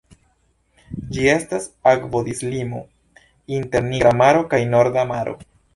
Ĝi estas akvodislimo inter Nigra Maro kaj Norda Maro.